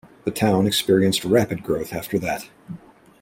The town experienced rapid growth after that.